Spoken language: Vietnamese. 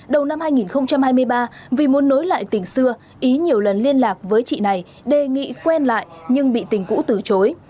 đầu năm hai nghìn hai mươi ba vì muốn nối lại tỉnh xưa ý nhiều lần liên lạc với chị này đề nghị quen lại nhưng bị tình cũ từ chối